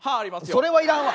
それはいらんわ！